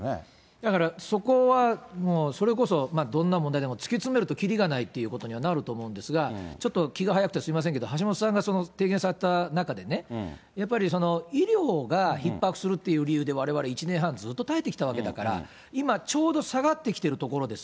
だから、そこはもう、それこそどんな問題でも突き詰めるときりがないということにはなると思うんですが、ちょっと気が早くてすみませんけれども、橋下さんが提言された中で、やっぱり、その医療がひっ迫するっていう理由で、われわれ、１年半ずっと耐えてきたわけだから、今ちょうど下がってきてるところです。